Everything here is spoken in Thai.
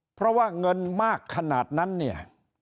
เพราะว่าเงินมากขนาดนั้นเนี่ย